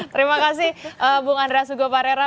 terima kasih bung andra sugoparera